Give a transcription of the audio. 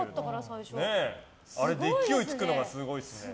あれで勢いつくのがすごいですね。